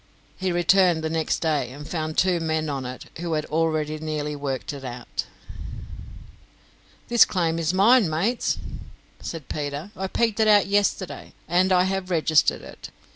He returned next day and found two men on it who had already nearly worked it out. "This claim is mine, mates," said Peter; "I pegged it out yesterday, and I have registered it.